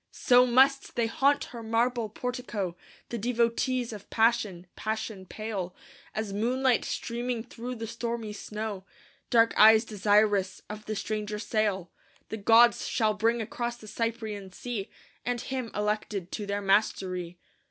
So must they haunt her marble portico, The devotees of passion, passion pale As moonlight streaming through the stormy snow; Dark eyes desirous of the stranger sail, The gods shall bring across the Cyprian Sea, And him elected to their mastery.